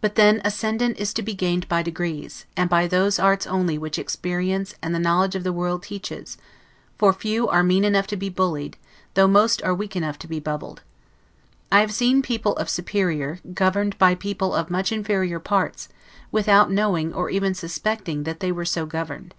But then ascendant is to be gained by degrees, and by those arts only which experience and the knowledge of the world teaches; for few are mean enough to be bullied, though most are weak enough to be bubbled. I have often seen people of superior, governed by people of much inferior parts, without knowing or even suspecting that they were so governed.